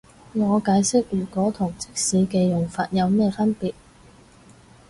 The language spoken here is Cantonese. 我解釋如果同即使嘅用法有咩分別